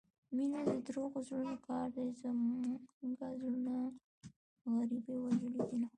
مينه دروغو زړونو كار دى زموږه زړونه غريبۍ وژلي دينه